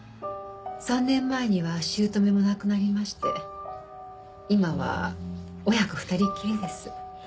３年前には姑も亡くなりまして今は親子２人きりです。